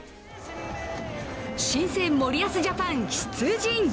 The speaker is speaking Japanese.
新生森保ジャパン、出陣！